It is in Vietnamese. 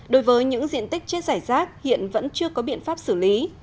đối với những diện tích chết giải rác hiện vẫn chưa có biện pháp xử lý